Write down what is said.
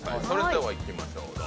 それではいきましょう